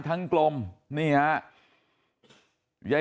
สวัสดีครับคุณผู้ชาย